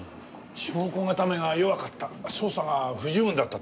証拠固めが弱かった捜査が不十分だったって事でしょう。